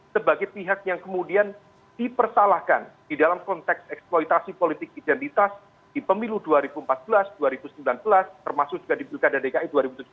sebagai pihak yang kemudian dipersalahkan di dalam konteks eksploitasi politik identitas di pemilu dua ribu empat belas dua ribu sembilan belas termasuk juga di pilkada dki dua ribu tujuh belas